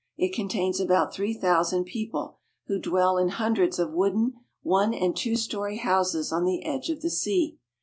It contains about three thousand people, who dwell in hundreds of wooden one and two story houses on the edge of the sea.